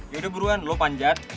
yaudah buruan lo panjat